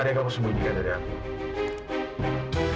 ada yang kamu sembunyikan dari aku